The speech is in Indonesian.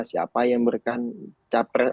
siapa yang memberikan capres